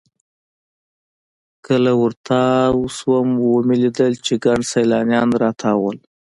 کله ورتاو سوم ومې لېدل چې ګڼ سیلانیان راتاو وو.